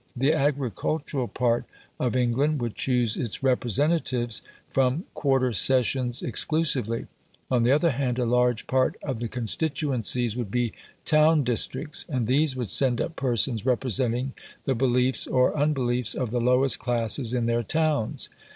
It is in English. The agricultural part of England would choose its representatives from quarter sessions exclusively. On the other hand a large part of the constituencies would be town districts, and these would send up persons representing the beliefs or unbeliefs of the lowest classes in their towns.